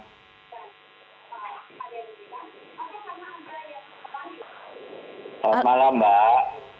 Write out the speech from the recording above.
selamat malam mbak